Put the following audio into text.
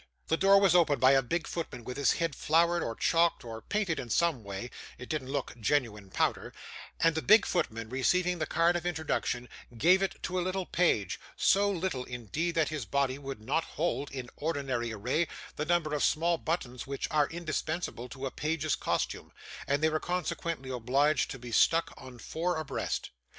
The door was opened by a big footman with his head floured, or chalked, or painted in some way (it didn't look genuine powder), and the big footman, receiving the card of introduction, gave it to a little page; so little, indeed, that his body would not hold, in ordinary array, the number of small buttons which are indispensable to a page's costume, and they were consequently obliged to be stuck on four abreast.